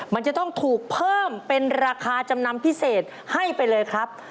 มันจะต้องถูกเพิ่มเป็นราคาจำนำพิเศษให้ไปเลยครับ